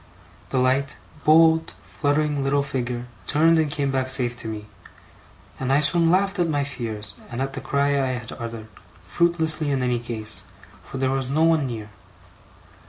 The light, bold, fluttering little figure turned and came back safe to me, and I soon laughed at my fears, and at the cry I had uttered; fruitlessly in any case, for there was no one near.